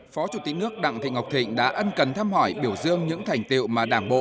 phó chủ tịch nước đặng thị ngọc thịnh đã ân cần thăm hỏi biểu dương những thành tiệu mà đảng bộ